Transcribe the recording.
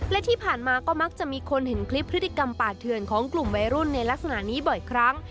และที่ผ่านมาก็มักจะมีคนเห็นคลิปพฤติกรรมป่าเถื่อนของกลุ่มวัยรุ่นในลักษณะนี้บ่อยครั้ง